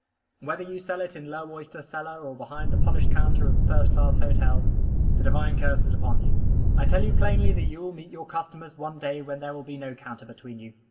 Whether you sell it in low oyster cellar or behind the polished counter of first class hotel, the divine curse is upon you. I tell you plainly that you will meet your customers one day when there will be no counter between you.